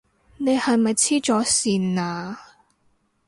你係咪痴咗線啊？